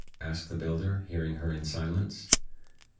asked the builder, hearing her in silence.